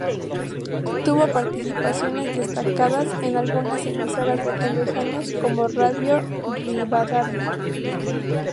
Tuvo participaciones destacadas en algunas emisoras de aquellos años como Radio Rivadavia.